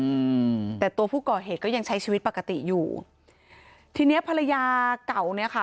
อืมแต่ตัวผู้ก่อเหตุก็ยังใช้ชีวิตปกติอยู่ทีเนี้ยภรรยาเก่าเนี้ยค่ะ